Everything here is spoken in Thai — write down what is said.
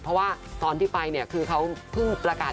เพราะว่าตอนที่ไปคือเค้าพึ่งประกาศ